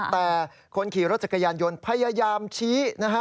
แต่คนขี่รถจักรยานยนต์พยายามชี้นะฮะ